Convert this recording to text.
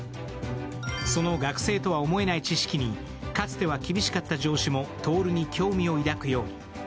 その学生とは思えない知識にかつては厳しかった上司も徹に興味を抱くように。